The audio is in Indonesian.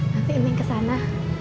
nanti neneng ke sana